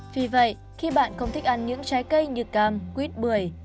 vì vậy khi bạn không thích ăn những trái cây như cam quýt bưởi